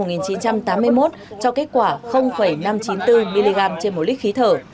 nguyễn văn đức sinh năm một nghìn chín trăm tám mươi một cho kết quả năm trăm chín mươi bốn mg trên một lít khí thở